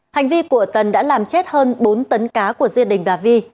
hành vi của tần đã làm chết hơn bốn tấn cá của gia đình bà vi